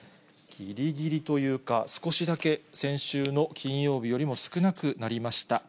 ぎりぎりというか、少しだけ先週の金曜日よりも少なくなりました。